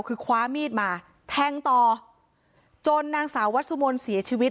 คือคว้ามีดมาแทงต่อจนนางสาววัสสุมนต์เสียชีวิต